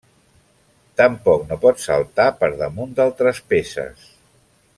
Tampoc no pot saltar per damunt d'altres peces.